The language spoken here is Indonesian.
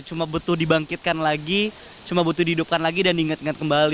cuma butuh dibangkitkan lagi cuma butuh dihidupkan lagi dan diingat ingat kembali